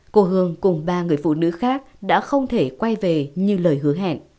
cô hương cùng ba người phụ nữ khác đã không thể quay về như lời hứa hẹn